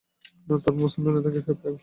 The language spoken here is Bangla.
তারপর মুসায়লামা তাঁকে সেই প্রশ্নই করল।